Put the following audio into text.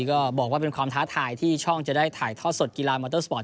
ก็บอกว่าเป็นความท้าทายที่ช่องจะได้ถ่ายทอดสดกีฬามอเตอร์สปอร์ต